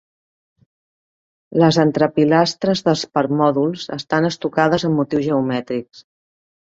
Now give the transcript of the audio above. Les entrepilastres dels permòdols estan estucades amb motius geomètrics.